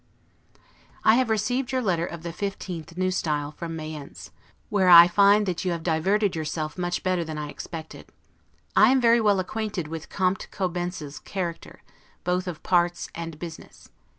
I have received your letter of the 15th, N. S., from Mayence, where I find that you have diverted yourself much better than I expected. I am very well acquainted with Comte Cobentzel's character, both of parts and business.